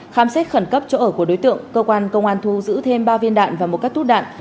khám xét khẩn cấp chỗ ở của đối tượng cơ quan công an thu giữ thêm ba viên đạn và một cắt túp đạn